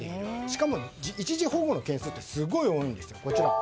しかも、一時保護の件数はすごく多いんです。